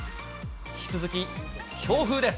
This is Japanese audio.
引き続き強風です。